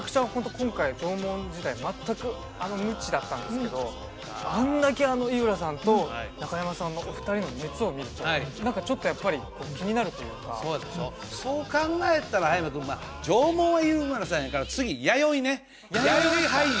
今回縄文時代全く無知だったんですけどあんだけ井浦さんと中山さんのお二人の熱を見ると何かちょっとやっぱり気になるというかそうでしょそう考えたら葉山君縄文は井浦さんやから次弥生ね弥生俳優！